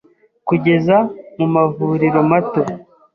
kugeza mu mavuriro mato,